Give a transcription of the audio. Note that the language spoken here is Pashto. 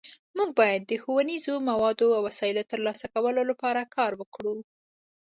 مونږ باید د ښوونیزو موادو او وسایلو د ترلاسه کولو لپاره کار وکړو